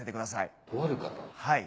はい。